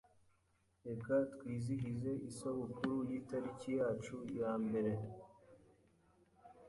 Reka twizihize isabukuru y'itariki yacu ya mbere.